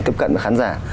tiếp cận với khán giả